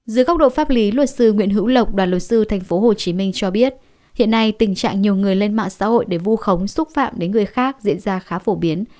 dưới góc độ pháp lý luật sư nguyễn hữu lộc đoàn luật sư tp hcm cho biết hiện nay tình trạng nhiều người lên mạng xã hội để vu khống xúc phạm đến người khác diễn ra khá phổ biến